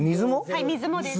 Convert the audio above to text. はい水もです。